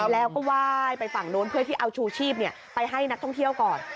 แล้วก็ไหว้ไปฝั่งนู้นเพื่อที่เอาชูชีพไปให้นักท่องเที่ยวก่อน